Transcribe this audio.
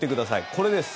これです。